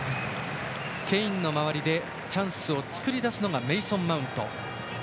ケインの周りでチャンスを作り出すのがメイソン・マウント。